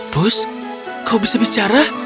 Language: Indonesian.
pus kau bisa bicara